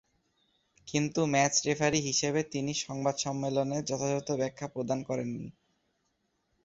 কিন্তু match referee হিসেবে তিনি সংবাদ সম্মেলনে যথাযথ ব্যাখ্যা প্রদান করেননি।